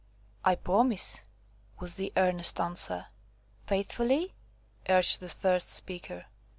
"I promise," was the earnest answer. "Faithfully?" urged the first speaker.